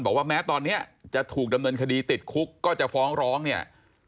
บอกว่าแม้ตอนนี้จะถูกดำเนินคดีติดคุกก็จะฟ้องร้องเนี่ย